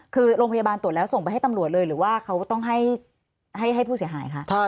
คือโรงพยาบาลตรวจแล้วส่งไปให้ตำรวจเลยหรือว่าเขาต้องให้ผู้เสียหายคะ